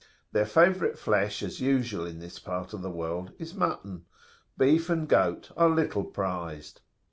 Their favourite flesh, as usual in this part of the world, is mutton; beef and goat are little prized.